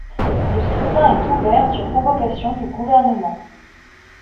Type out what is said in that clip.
Le scrutin est ouvert sur convocation du Gouvernement.